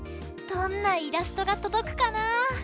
どんなイラストがとどくかな？